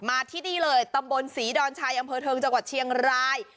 มาที่นี่เลยตำบลศรีดอนชัยอำเภอเทิงจังหวัดเชียงราย